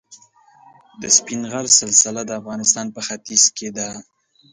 د سپین غر سلسله د افغانستان په ختیځ کې ده.